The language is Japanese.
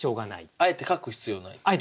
あえて書く必要ないと。